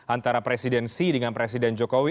antara presiden xi dengan presiden jokowi